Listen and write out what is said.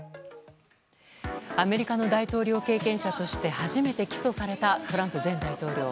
アメリカの大統領経験者として初めて起訴されたトランプ前大統領。